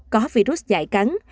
có virus dạy cắn